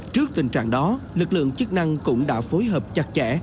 trước tình trạng đó lực lượng chức năng cũng đã phối hợp chặt chẽ